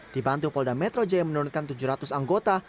dibantu polda metro j yang menurunkan tujuh ratus anggota